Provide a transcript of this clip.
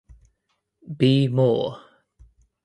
Be Moore.